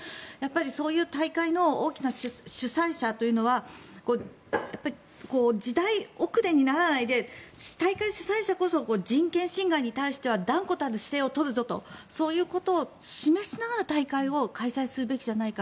そういう大会の大きな主催者というのは時代遅れにならないで大会主催者こそ人権侵害に対しては断固たる姿勢を取るぞとそういうことを示しながら大会を開催するべきじゃないか